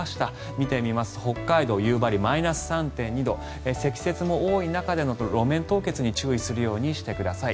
見てみますと北海道夕張、マイナス３．２度積雪も多い中で、路面凍結に注意するようにしてください。